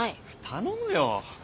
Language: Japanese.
頼むよ。